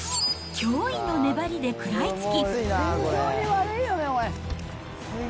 驚異の粘りで食らいつき。